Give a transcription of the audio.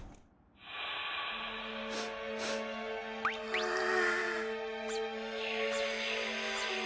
はあ。